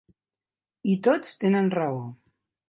I tots tenen raó.